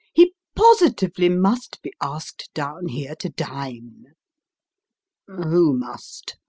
He positively must be asked down here to dine." " Who must